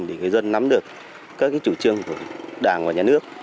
để người dân nắm được các chủ trương của đảng và nhà nước